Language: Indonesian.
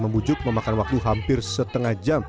membujuk memakan waktu hampir setengah jam